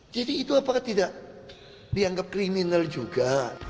jadi itu apakah tidak dianggap kriminal juga